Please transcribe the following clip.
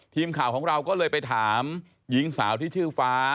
ทีมข่าวของเราก็เลยไปถามหญิงสาวที่ชื่อฟ้า